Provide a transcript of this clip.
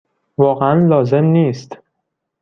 واقعا لازم نیست.